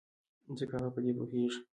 ځکه هغه په دې پوهېږي.